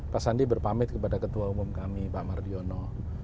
pak sandi berpamit kepada ketua umum kami pak mardiono